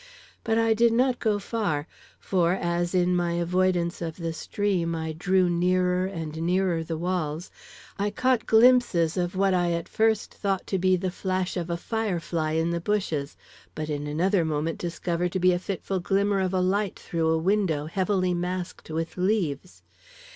But I did not go far, for as, in my avoidance of the stream, I drew nearer and nearer the walls, I caught glimpses of what I at first thought to be the flash of a fire fly in the bushes, but in another moment discovered to be the fitful glimmer of a light through a window heavily masked with leaves.